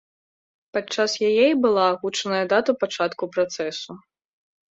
Падчас яе і была агучаная дата пачатку працэсу.